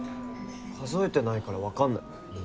数えてないから分かんない。